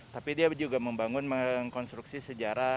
tapi dia juga membangun mengkonstruksi sejarah